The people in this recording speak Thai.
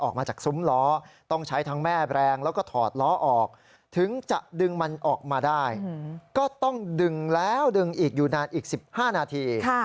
ก็ต้องดึงแล้วดึงอีกอยู่นานอีก๑๕นาที